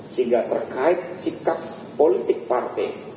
sehingga terkait sikap politik partai